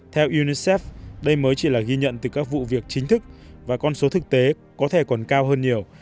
theo unicef đây mới chỉ là ghi nhận từ các vụ việc chính thức và con số thực tế có thể còn cao hơn nhiều